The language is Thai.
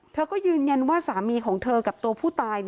เธอก็ยืนยันว่าสามีของเธอกับตัวผู้ตาย